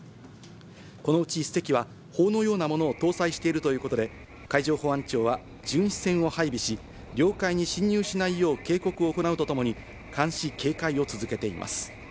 このうち１隻は砲のようなもの搭載しているということで海上保安庁は巡視船を配備し、領海に侵入しないよう警告を行うとともに、監視警戒を続けています。